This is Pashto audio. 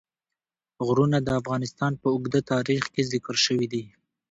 غرونه د افغانستان په اوږده تاریخ کې ذکر شوی دی.